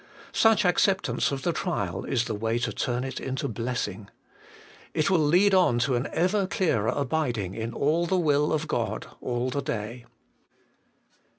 Such acceptance of the trial is the way to turn it into blessing. It will lead on to an ever clearer abiding in all the will of God all the day.